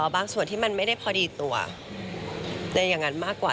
บางส่วนที่มันไม่ได้พอดีตัวในอย่างนั้นมากกว่า